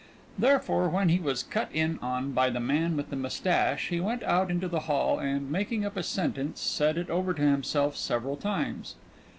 Therefore when he was cut in on by the man with the mustache he went out into the hall and, making up a sentence, said it over to himself several times.